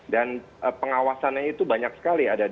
dan pengawasannya itu banyak sekali